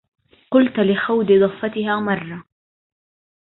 قلت لخود ضفتها مرة